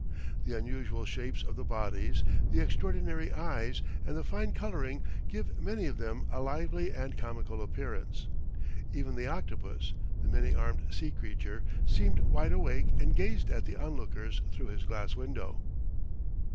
The unusual shapes of the bodies, the extraordinary eyes and the fine colouring give many of them a lively and comical appearance. Even the octopus, the many armed sea creature, seemed wide awake and gazed at the onlookers through his glass window.